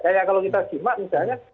kayak kalau kita simak misalnya